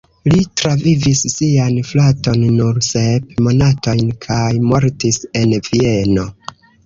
Li travivis sian fraton nur sep monatojn kaj mortis en Vieno.